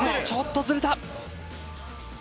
ちょっとずれた。